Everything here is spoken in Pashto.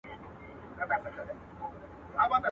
خرامانه په سالو کي ګرځېدي مین دي کړمه.